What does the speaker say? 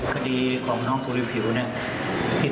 คดีของน้องสุริผิวเนี่ย